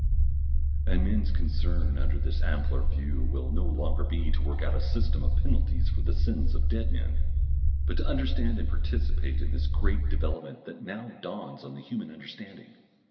And men's concern under this ampler view will no longer be to work out a system of penalties for the sins of dead men, but to understand and participate in this great development that now dawns on the human understanding.